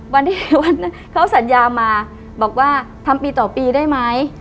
วันที่วันนั้นเขาสัญญามาบอกว่าทำปีต่อปีได้ไหม